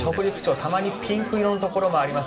たまにピンク色のところもあります。